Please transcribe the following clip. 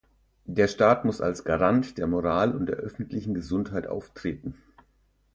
Der Staat muss als Garant der Moral und der öffentlichen Gesundheit auftreten.